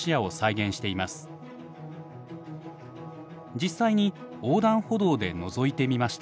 実際に横断歩道でのぞいてみました。